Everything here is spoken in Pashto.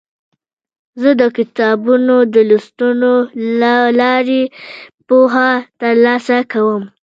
زه د کتابونو د لوستلو له لارې پوهه ترلاسه کوم.